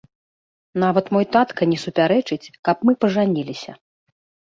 Нават мой татка не супярэчыць, каб мы пажаніліся.